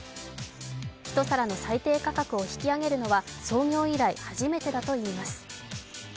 一皿の最低価格を引き上げるのは創業以来、初めてだといいます。